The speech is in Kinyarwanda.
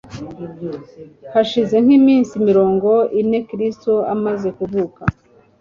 Hashize nk'iminsi mirongo ine Kristo amaze kuvuka,